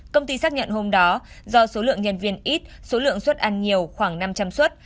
công ty xác nhận hôm đó do số lượng nhân viên ít số lượng xuất ăn nhiều khoảng năm trăm linh suất